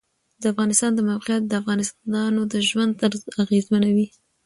د افغانستان د موقعیت د افغانانو د ژوند طرز اغېزمنوي.